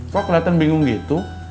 kok keliatan bingung gitu